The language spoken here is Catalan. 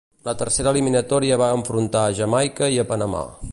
La tercera eliminatòria va enfrontar a Jamaica i a Panamà.